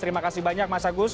terima kasih banyak mas agus